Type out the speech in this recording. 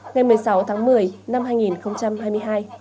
ngày một mươi sáu tháng một mươi năm hai nghìn hai mươi hai